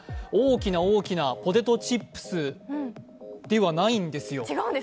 大きな大きなポテトチップスではないんですよ。